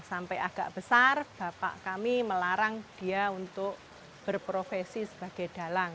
sampai agak besar bapak kami melarang dia untuk berprofesi sebagai dalang